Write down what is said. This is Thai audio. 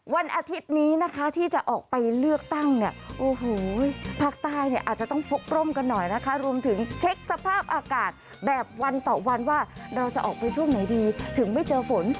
วันอาทิตย์นี้นะคะที่จะออกไปเลือกตั้งเนี่ยโอ้โหภาคใต้เนี่ยอาจจะต้องพกร่มกันหน่อยนะคะรวมถึงเช็คสภาพอากาศแบบวันต่อวันว่าเราจะออกไปช่วงไหนดีถึงไม่เจอฝน